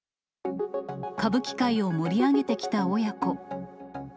歌舞伎界を盛り上げてきた親子。